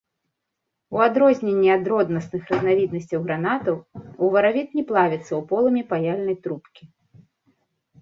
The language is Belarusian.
У адрозненне ад роднасных разнавіднасцяў гранатаў, уваравіт не плавіцца ў полымі паяльнай трубкі.